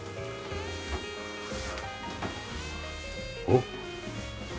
おっ？